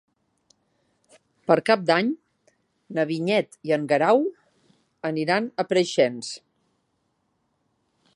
Per Cap d'Any na Vinyet i en Guerau aniran a Preixens.